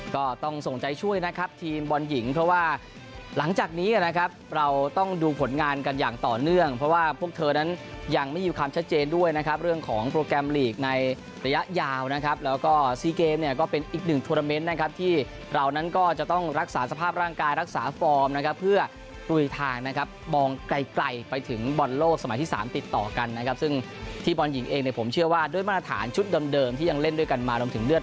ก็ต้องส่งใจช่วยนะครับทีมบอลหญิงเพราะว่าหลังจากนี้นะครับเราต้องดูผลงานกันอย่างต่อเนื่องเพราะว่าพวกเธอนั้นยังไม่อยู่ความชัดเจนด้วยนะครับเรื่องของโปรแกรมลีกในระยะยาวนะครับแล้วก็ซีเกมเนี่ยก็เป็นอีกหนึ่งทวอร์เตอร์เมนต์นะครับที่เรานั้นก็จะต้องรักษาสภาพร่างกายรักษาฟอร์มนะครับเพื่